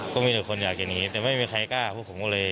ก็มีแต่คนอยากจะหนีแต่ไม่มีใครกล้าพวกผมก็เลย